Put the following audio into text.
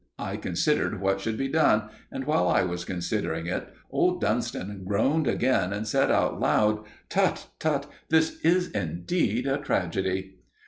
I considered what should be done, and while I was considering, old Dunston groaned again and said out loud: "'Tut tut! This is indeed a tragedy!